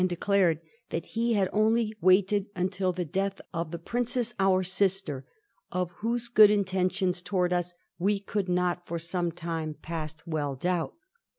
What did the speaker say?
declared that he had only waited until the death ^ of the Princess, our sister, of whose good intentions towards us we could not for some time past well doubt.'